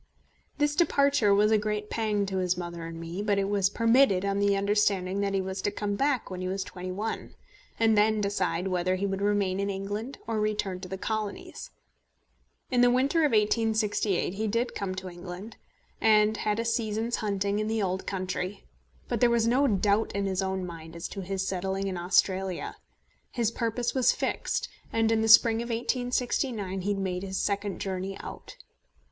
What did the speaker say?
This departure was a great pang to his mother and me; but it was permitted on the understanding that he was to come back when he was twenty one, and then decide whether he would remain in England or return to the Colonies. In the winter of 1868 he did come to England, and had a season's hunting in the old country; but there was no doubt in his own mind as to his settling in Australia. His purpose was fixed, and in the spring of 1869 he made his second journey out.